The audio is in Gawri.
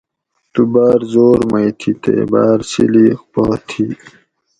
تو بار زور مئ تھی تے باۤر سیلیق پا تھی